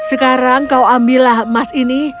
sekarang kau ambillah emas ini